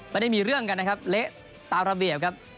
ไม่ได้มีเรื่องกันนะครับเละตามระเบียบครับ